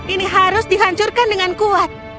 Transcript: ini harus dihancurkan dengan kuat